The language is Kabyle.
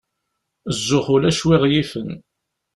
Zzux ulac wi ɣ-yifen.